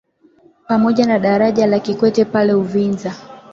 pamoja na daraja la Kikwete pale Uvinza